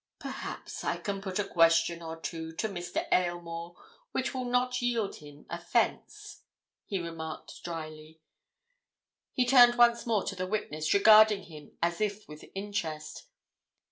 "Perhaps I can put a question or two to Mr. Aylmore which will not yield him offence," he remarked drily. He turned once more to the witness, regarding him as if with interest.